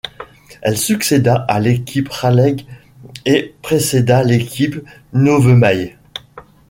Elle succéda à l'équipe Raleigh et précéda l'équipe Novemail.